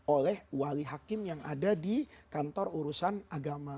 oleh wali hakim yang ada di kantor urusan agama